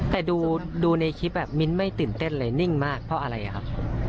แต่ดูในคลิปมิ้นไม่ตื่นเต้นเลยนิ่งมากเพราะอะไรครับ